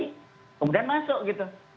kemudian masuk gitu